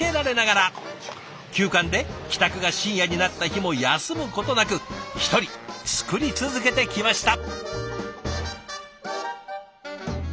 急患で帰宅が深夜になった日も休むことなく一人作り続けてきました。